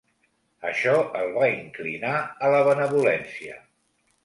Això el va inclinar a la benevolència.